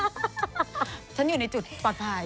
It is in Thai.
ฉันอยู่ในจุดปลอดภัย